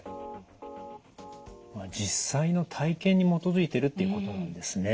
まあ実際の体験に基づいてるっていうことなんですね。